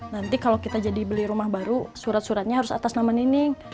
nanti kalau kita jadi beli rumah baru surat suratnya harus atas nama nining